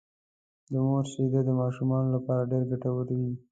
د مور شېدې د ماشوم لپاره ډېرې ګټورې وي